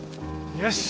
よし。